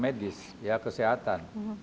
medis ya kesehatan